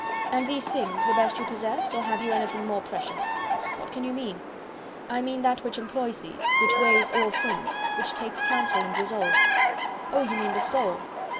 "And these things the best you possess, or have you anything more precious?" "What can you mean?" "I mean that which employs these; which weights all things; which takes counsel and resolve." "Oh, you mean the soul."